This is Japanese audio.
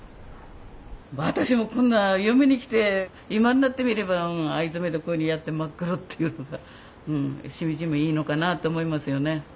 私もこんな嫁に来て今になってみれば藍染めでこういうのやって真っ黒っていうのがうんしみじみいいのかなと思いますよね。